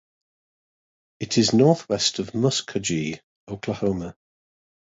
It is northwest of Muskogee, Oklahoma.